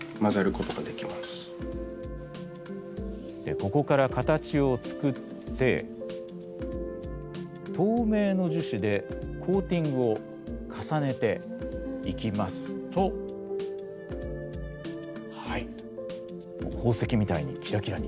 ここから形を作って透明の樹脂でコーティングを重ねていきますとはい宝石みたいにキラキラに。